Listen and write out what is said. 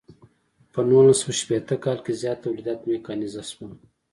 په نولس سوه شپیته کال کې زیات تولیدات میکانیزه شول.